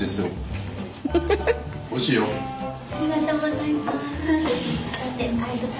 ありがとうございます。